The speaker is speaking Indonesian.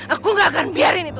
aku gak akan biarin itu